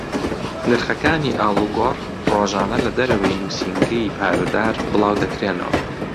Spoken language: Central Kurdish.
نرخەکانی ئاڵوگۆڕ ڕۆژانە لە دەرەوەی نووسینگەی پارەدار بڵاو دەکرێنەوە.